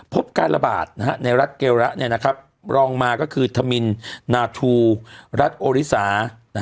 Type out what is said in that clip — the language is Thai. พบการระบาดในรัฐเกลระรองมาก็คือธมินนาทูรัฐโอริสา